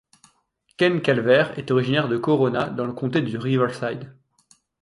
Ken Calvert est originaire de Corona dans le comté de Riverside.